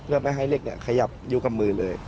เพื่อไม่ให้เล็กนี้ขยับยุกลับมือเลย